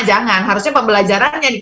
jangan harusnya pembelajarannya